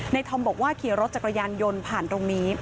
ในธอมบอกว่าเคียร์รถจากกระยาญยนต์ผ่านตรงนี้